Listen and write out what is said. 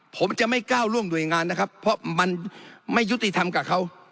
ผมจะไม่ก้าวล่วงหน่วยงานนะครับเพราะมันไม่ยุติธรรมกับเขา